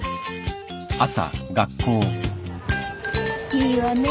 いいわねえ。